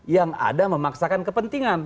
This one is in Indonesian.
yang ada memaksakan kepentingan